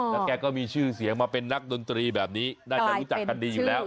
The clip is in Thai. แล้วแกก็มีชื่อเสียงมาเป็นนักดนตรีแบบนี้น่าจะรู้จักกันดีอยู่แล้ว